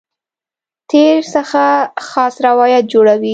تېر څخه خاص روایت جوړوي.